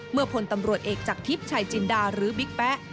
พลตำรวจเอกจากทิพย์ชายจินดาหรือบิ๊กแป๊ะ